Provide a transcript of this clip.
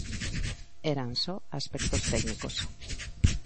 Eran só aspectos técnicos.